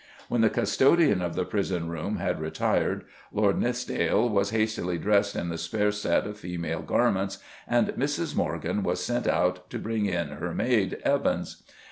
When the custodian of the prison room had retired, Lord Nithsdale was hastily dressed in the spare set of female garments and Mrs. Morgan was sent out to bring in "her maid, Evans."